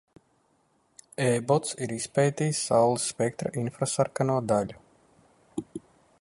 Ebots ir izpētījis Saules spektra infrasarkano daļu.